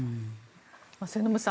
末延さん